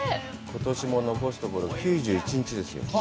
ことしも残すところ９１日ですよ。